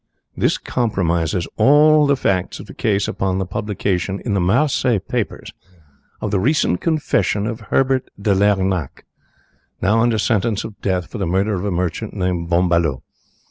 This comprises all the facts of the case up to the publication in the Marseilles papers of the recent confession of Herbert de Lernac, now under sentence of death for the murder of a merchant named Bonvalot.